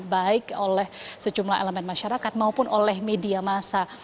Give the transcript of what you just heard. baik oleh sejumlah elemen masyarakat maupun oleh media masa